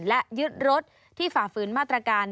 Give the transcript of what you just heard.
และยึดรถที่ฝ่าฝืนมาตรการ